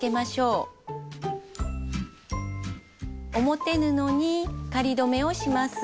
表布に仮留めをします。